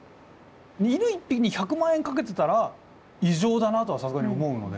犬１匹に１００万円かけてたら異常だなとはさすがに思うので。